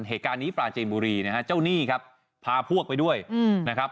เหตุการณ์นี้ปลาจีนบุรีนะฮะเจ้าหนี้ครับพาพวกไปด้วยนะครับ